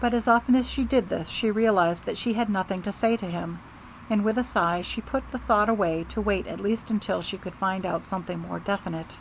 But as often as she did this she realized that she had nothing to say to him, and with a sigh she put the thought away to wait at least until she could find out something more definite.